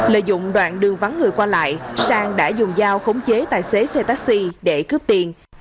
lợi dụng đoạn đường vắng người qua lại sang đã dùng dao khống chế tài xế xe taxi để cướp tiền